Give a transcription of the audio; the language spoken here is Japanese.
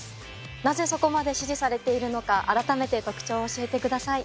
なぜそこまで支持されているのか改めて特徴を教えてください。